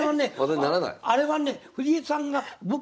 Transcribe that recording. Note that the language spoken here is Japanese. あれはね